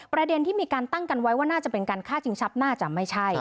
ประเด็นที่มีการตั้งกันไว้ว่าน่าจะเป็นการฆ่าชิงทรัพย์น่าจะไม่ใช่